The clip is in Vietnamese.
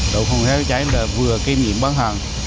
đậu phòng cháy chữa cháy là vừa kinh nghiệm bán hàng